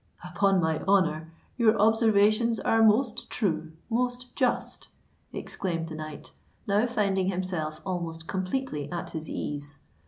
"Upon my honour, your observations are most true—most just," exclaimed the knight, now finding himself almost completely at his ease.